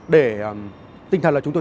để tinh thần là chúng tôi